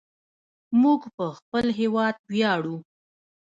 موږ په خپل هیواد ویاړو.